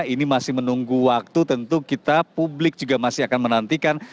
ini masih menunggu waktu tentu kita publik juga masih akan menantikan